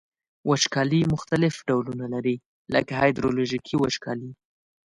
وچکالي مختلف ډولونه لري لکه هایدرولوژیکي وچکالي.